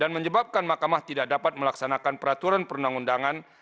dan menyebabkan mahkamah tidak dapat melaksanakan peraturan perundang undangan